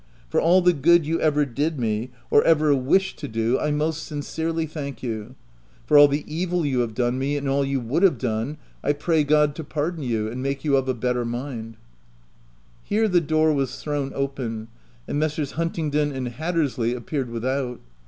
For all the good you ever did me, or ever wished to 46 THE TENANT do, I most sincerely thank you : for all the evil you have done me, and all you would have done, I pray God to pardon you, and make you of a better mind." Here the door was thrown open, and Messrs. Huntingdon and Hattersley appeared without.